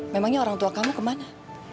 memangnya orang tua kamu ke mana